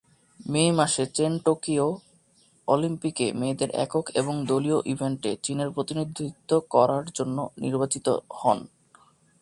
মে মাসে, Chen Tokyo অলিম্পিকে মেয়েদের একক এবং দলীয় ইভেন্টে চীনের প্রতিনিধিত্ব করার জন্য নির্বাচিত হন।